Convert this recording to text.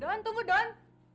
don tunggu don